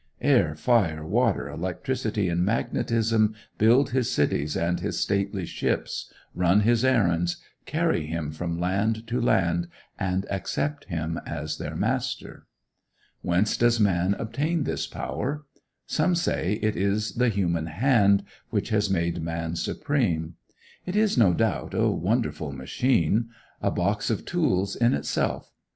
Air, fire, water, electricity, and magnetism build his cities and his stately ships, run his errands, carry him from land to land, and accept him as their master. Whence does man obtain this power? Some say it is the human hand which has made man supreme. It is, no doubt, a wonderful machine; a box of tools in itself.